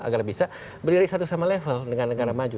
agar bisa berdiri satu sama level dengan negara maju